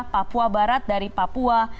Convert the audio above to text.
papua barat dari papua